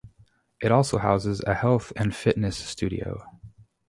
It also houses a health and fitness studio.